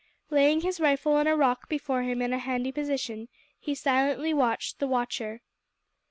Laying his rifle on a rock before him in a handy position he silently watched the watcher.